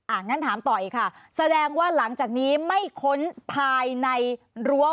งั้นถามต่ออีกค่ะแสดงว่าหลังจากนี้ไม่ค้นภายในรั้ว